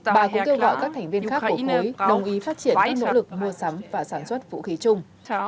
bà cũng kêu gọi các thành viên khác của khối đồng ý phát triển các nỗ lực mua sắm và sản xuất vũ khí chung